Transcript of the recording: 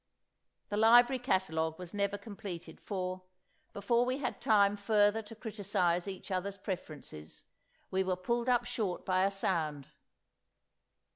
The library catalogue was never completed, for, before we had time further to criticize each other's preferences, we were pulled up short by a sound.